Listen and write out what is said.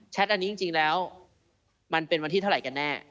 อันนี้จริงแล้วมันเป็นวันที่เท่าไหร่กันแน่